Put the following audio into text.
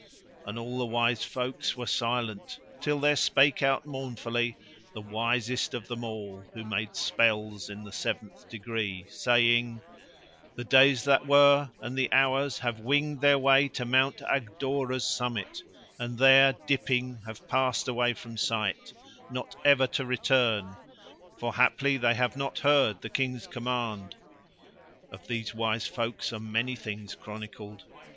And all the wise folks were silent, till there spake out mournfully the wisest of them all, who made spells in the seventh degree, saying: "The days that were, and the hours, have winged their way to Mount Agdora's summit, and there, dipping, have passed away from sight, not ever to return, for haply they have not heard the King's command." Of these wise folks are many things chronicled.